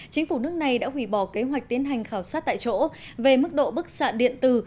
chính phủ nước này đã hủy bỏ kế hoạch tiến hành khảo sát tại chỗ về mức độ bức xạ điện tử